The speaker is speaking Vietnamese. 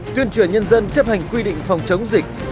tuyên truyền nhân dân chấp hành quy định phòng chống dịch